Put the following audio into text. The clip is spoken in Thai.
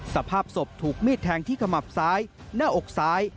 สภาพศพถูกมีดแทงที่ขมับซ้ายหน้าอกซ้าย